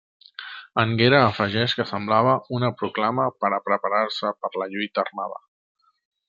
Anguera afegeix que semblava una proclama per a preparar-se per la lluita armada.